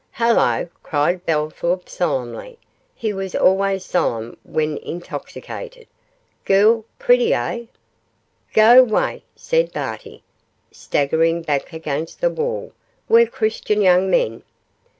'Hullo!' cried Bellthorp solemnly he was always solemn when intoxicated 'girl pretty eh!' 'Go 'way,' said Barty, staggering back against the wall, 'we're Christian young men.